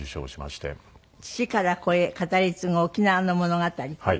父から子へ語り継ぐ沖縄の物語という。